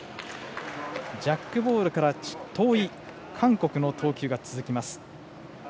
ジャックボールから遠い韓国の投球が続きます。